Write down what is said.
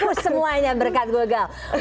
hapus semuanya berkat google